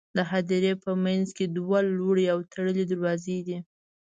د هدیرې په منځ کې دوه لوړې او تړلې دروازې دي.